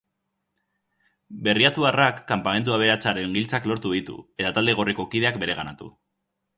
Berriatuarrak kanpamentu aberatsaren giltzak lortu ditu, eta talde gorriko kideak bereganatu.